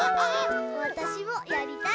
わたしもやりたい！